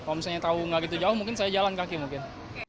kalau misalnya tahu nggak gitu jauh mungkin saya jalan kaki mungkin